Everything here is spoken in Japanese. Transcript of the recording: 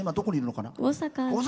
大阪。